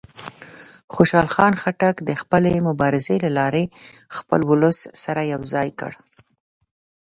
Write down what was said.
خوشحال خان خټک د خپلې مبارزې له لارې خپل ولس سره یو ځای کړ.